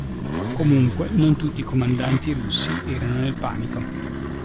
Comunque non tutti i comandanti russi erano nel panico.